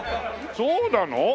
そうなの？